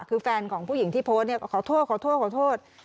คือแฟนของผู้หญิงที่โพสต์เนี่ยก็ขอโทษขอโทษขอโทษ